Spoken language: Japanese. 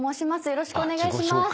よろしくお願いします！